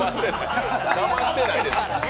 だましてないです。